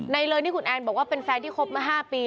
เลยนี่คุณแอนบอกว่าเป็นแฟนที่คบมา๕ปี